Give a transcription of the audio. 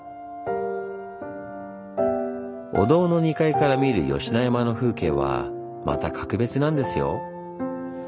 お堂の２階から見る吉野山の風景はまた格別なんですよ。